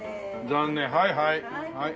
残念はいはい。